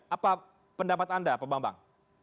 apa pendapat anda pak bambang